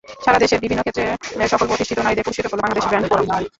সারা দেশের বিভিন্ন ক্ষেত্রের সফল-প্রতিষ্ঠিত নারীদের পুরস্কৃত করল বাংলাদেশ ব্র্যান্ড ফোরাম।